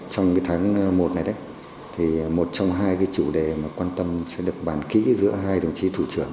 trong tháng một này một trong hai chủ đề quan tâm sẽ được bàn kỹ giữa hai đồng chí thủ trưởng